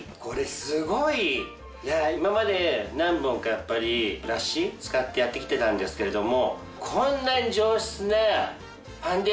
今まで何本かブラシ使ってやってきてたんですけれども。